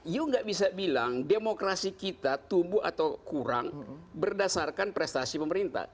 you tidak bisa bilang demokrasi kita tumbuh atau kurang berdasarkan prestasi pemerintah